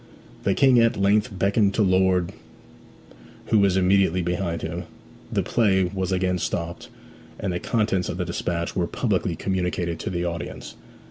The King at length beckoned to Lord , who was immediately behind him, the play was again stopped, and the contents of the despatch were publicly communicated to the audience.